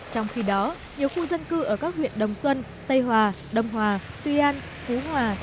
trong khi đó nhiều khu dân cư ở các huyện đồng xuân tây hòa đông hòa tuy an phú hòa